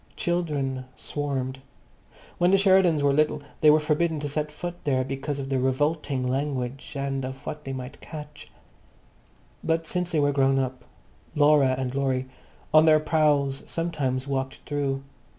Children swarmed. When the Sheridans were little they were forbidden to set foot there because of the revolting language and of what they might catch. But since they were grown up, Laura and Laurie on their prowls sometimes walked through.